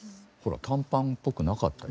短パンっぽくなかった。